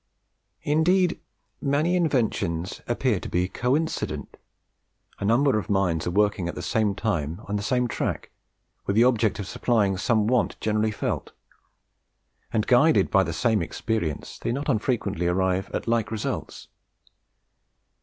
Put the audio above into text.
Indeed many inventions appear to be coincident. A number of minds are working at the same time in the same track, with the object of supplying some want generally felt; and, guided by the same experience, they not unfrequently arrive at like results.